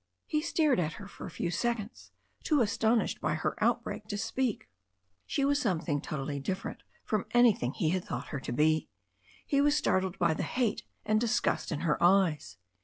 He stared at her for a few seconds, too astonished by her outbreak to speak. She was something totally different from anything he had thought her to be. He was startled by the hate and disgust in her eyes.